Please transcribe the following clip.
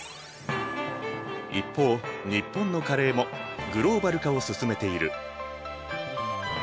一方日本のカレーもグローバル化を進めている。